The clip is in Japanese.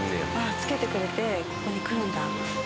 付けてくれてここに来るんだ。